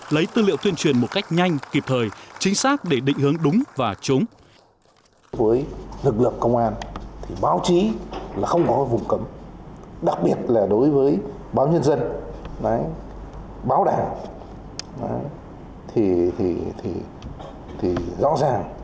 lấy tư liệu tuyên truyền một cách nhanh kịp thời chính xác để định hướng đúng và chúng